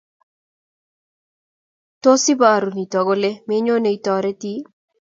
Tos ibaru nitok kole menyone itoreti?